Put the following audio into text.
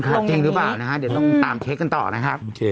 จะเป็นขาดเจ็งหรือเปล่านะฮะเดี๋ยวต้องตามเช็คกันต่อนะฮะโอเค